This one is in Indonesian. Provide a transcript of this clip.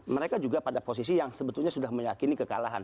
mereka juga pada posisi yang sebetulnya sudah meyakini kekalahan